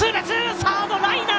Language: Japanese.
サードライナー！